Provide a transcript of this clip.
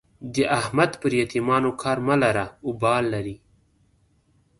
د احمد پر يتيمانو کار مه لره؛ اوبال لري.